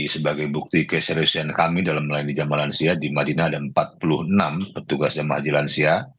sebagai bukti keseriusan kami dalam melayani jemaah lansia di madinah ada empat puluh enam petugas jemaah haji lansia